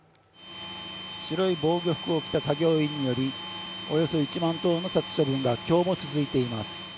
白い防御服を着た作業員によりおよそ１万頭の殺処分が今日も続いています。